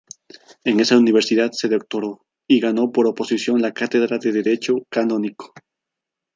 En esa universidad se doctoró y ganó por oposición la cátedra de Derecho canónico.